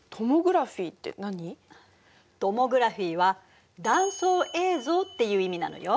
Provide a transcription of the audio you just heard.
トモグラフィーは「断層映像」っていう意味なのよ。